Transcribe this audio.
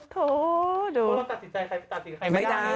โทษดูเพราะเราตัดสินใจใครไปตัดสินใจใคร